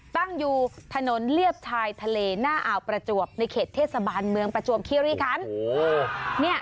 ตั้งอยู่ถนนเลียบชายทะเลหน้าอ่าวประจวบในเขตเทศบาลเมืองประจวบคิริคัน